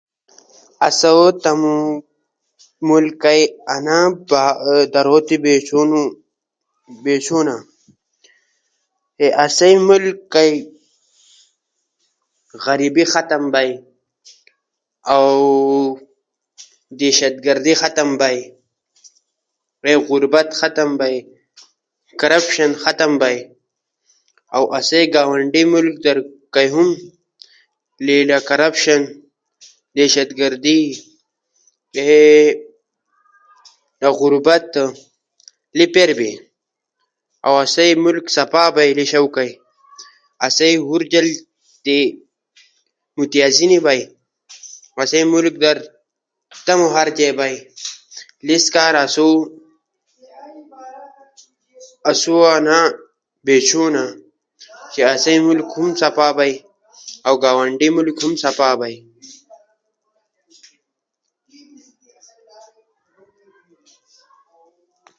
آسو تمو ملک کئی انا ضرورت بیچونا کے آسئی ملک در غریبی ختم بئی۔ دہشت گردی ختم بئی، غربت ختم بئی، کرپشن ختم بئی، اؤ آسئی گاونڈی ملک در ہم لیلا کرپشن، دہشت گردی، غربت، لی پیر بئینو۔ اؤ آسئی ملک صفا بیلو شو کئی آسو ہور جل کئی متازی نی بئی۔ آسئی ملک در تمو ہر جے بئی۔ انیس کارا آسو انا بیچونا چی اسئی ملک کھونو صفا بئی، اؤ گاونڈی ملک کئی ہم صفا بئی۔